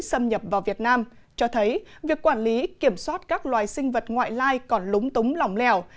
xâm nhập vào việt nam cho thấy việc quản lý kiểm soát các loài sinh vật ngoại lai còn lúng túng lỏng lẻo